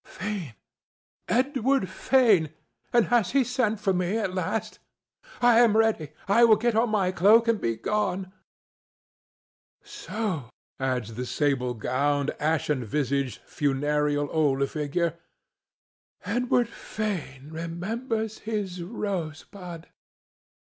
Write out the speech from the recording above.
—"Fane! Edward Fane! And has he sent for me at last? I am ready. I will get on my cloak and begone. So," adds the sable gowned, ashen visaged, funereal old figure, "Edward Fane remembers his Rosebud."